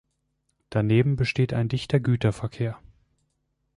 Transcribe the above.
Daneben besteht ein dichter Güterverkehr.